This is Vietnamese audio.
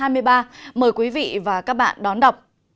mời quý vị và các bạn đón đọc